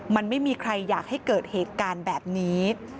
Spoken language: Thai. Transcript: มันไม่มีใครอยากให้เกิดเหตุการณ์แบบนี้